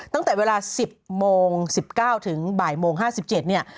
ตั้งแต่เวลา๑๐โมง๑๙ถึงบ่ายโมง๕๗เนี่ย